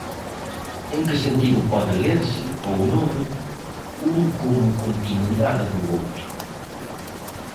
En que sentido pode lerse, ou non, un como continuidade do outro?